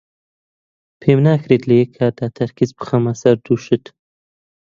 پێم ناکرێت لە یەک کات تەرکیز بخەمە سەر دوو شت.